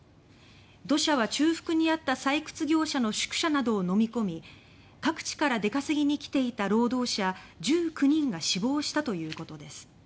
土砂は中腹にあった採掘業者の宿舎などをのみ込み各地から出稼ぎに来ていた労働者１９人が死亡したということです。